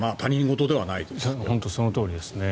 本当にそのとおりです。